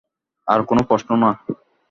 আর কোনো প্রশ্ন না।